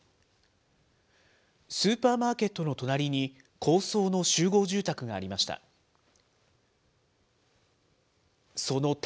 スーパーマーケットの隣に、高層の集合住宅がありました。